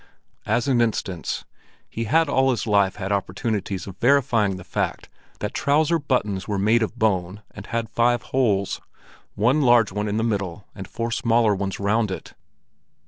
As an instance; he had all his life had opportunities of verifying the fact that trouser buttons were made of bone and had five holes, one large one in the middle and four smaller ones round it.